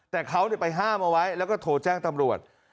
แต่เขาไปห้ามเอาไว้แล้วก็โทรแจ้งตำรวจ